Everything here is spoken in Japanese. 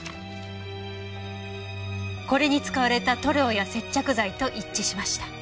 これに使われた塗料や接着剤と一致しました。